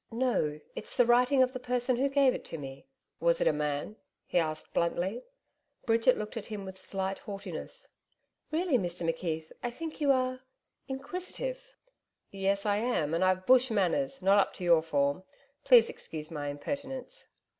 'No, it's the writing of the person who gave it to me.' 'Was it a man?' he asked bluntly. Bridget looked at him with slight haughtiness. 'Really, Mr McKeith, I think you are inquisitive.' 'Yes, I am. And I've Bush manners not up to your form. Please excuse my impertinence.'